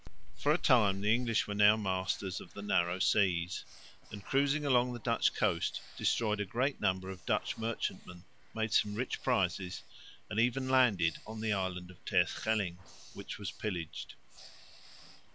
For a time the English were now masters of the narrow seas, and, cruising along the Dutch coast, destroyed a great number of Dutch merchantmen, made some rich prizes and even landed on the island of Terschelling, which was pillaged.